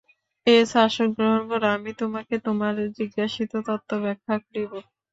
S, আসন গ্রহণ কর, আমি তোমাকে তোমার জিজ্ঞাসিত তত্ত্ব ব্যাখ্যা করিব।